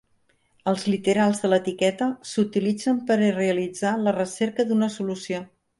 Els literals de l'etiqueta s'utilitzen per realitzar la recerca d'una solució.